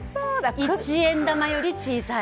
一円玉より小さい。